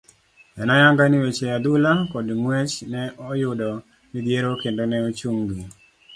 En ayanga ni weche adhula kod ngwech ne oyudo midhiero kendo ne ochung' gi.